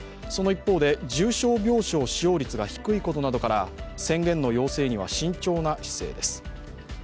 その一方で、重症病床使用率が低いことなどから宣言の要請には慎重な姿勢です。